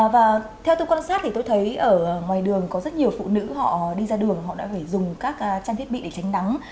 và theo tôi quan sát thì tôi thấy ở ngoài đường có rất nhiều phụ nữ họ đi ra đường họ đã phải dùng các trang thiết bị để tránh nắng